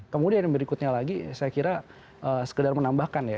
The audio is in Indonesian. kemudian yang berikutnya lagi saya kira sekedar menambahkan ya